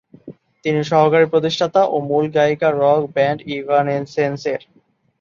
তিনি সহকারী প্রতিষ্ঠাতা ও মূল গায়িকা রক ব্যান্ড ইভানেসেন্স-এর।